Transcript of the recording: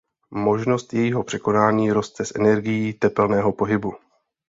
Možnost jejího překonání roste s energií tepelného pohybu.